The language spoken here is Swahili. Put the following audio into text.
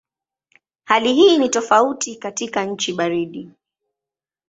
Hali hii ni tofauti katika nchi baridi.